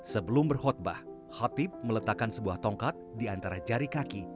sebelum berkhutbah khotib meletakkan sebuah tongkat di antara jari kaki